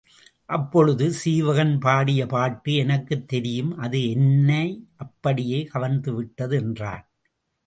அப்பொழுது சீவகன் பாடிய பாட்டு எனக்குத் தெரியும் அது என்னை அப்படியே கவர்ந்து விட்டது என்றான்.